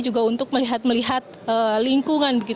juga untuk melihat melihat lingkungan